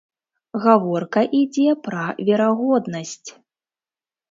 Гаворка ідзе пра верагоднасць.